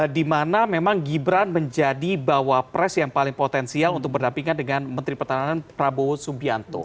di mana memang gibran menjadi bawa pres yang paling potensial untuk berdampingan dengan menteri pertahanan prabowo subianto